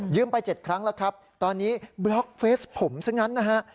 ไป๗ครั้งแล้วครับตอนนี้บล็อกเฟสผมซะงั้นนะฮะ